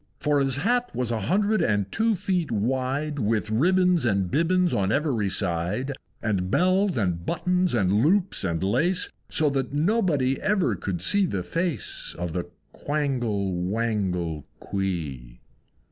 For his Hat was a hundred and two feet wide, With ribbons and bibbons on every side, And bells, and buttons, and loops, and lace, So that nobody ever could see the face Of the Quangle Wangle Quee.